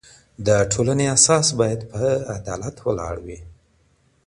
د ټولني اساس بايد په عدالت ولاړ وي.